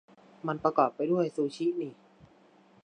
มันประกอบไปด้วยซูชินี่